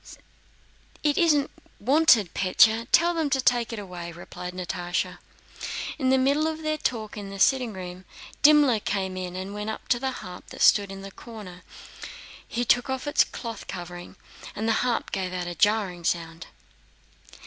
"It isn't wanted, Pólya. Tell them to take it away," replied Natásha. In the middle of their talk in the sitting room, Dimmler came in and went up to the harp that stood there in a corner. He took off its cloth covering, and the harp gave out a jarring sound.